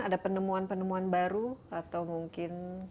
ada penemuan penemuan baru atau mungkin